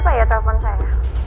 apa ya telepon saya